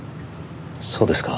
そうですか。